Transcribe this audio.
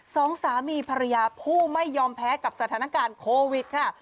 สองสามีภรรยาผู้ไม่ยอมแพ้กับสถานการณ์โควิดค่ะ